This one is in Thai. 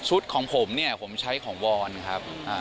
ของผมเนี่ยผมใช้ของวอนครับ